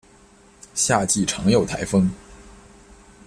夏季常有台风。